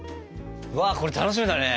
うわっこれ楽しみだね！